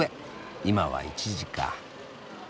今は１時か。